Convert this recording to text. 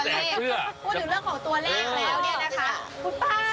และครั้งที่๓จริงก็จะเป็นตอง